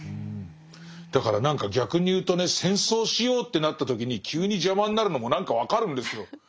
だから何か逆にいうとね戦争しようってなった時に急に邪魔になるのも何か分かるんですよ。